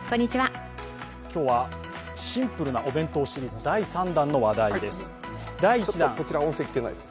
今日はシンプルなお弁当シリーズ、第３弾の話題です。